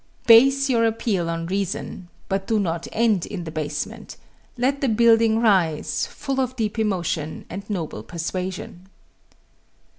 Base your appeal on reason, but do not end in the basement let the building rise, full of deep emotion and noble persuasion.